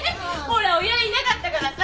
ほら親いなかったからさ。